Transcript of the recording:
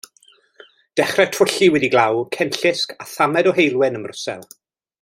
Dechra t'wllu wedi glaw, cenllysg a thamed o heulwen ym Mrwsel.